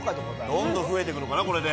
どんどん増えていくのかな、これで。